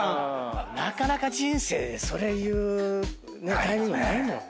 なかなか人生でそれ言うタイミングないもんね。